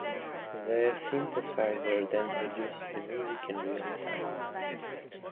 The synthesizer then produces the music in real time.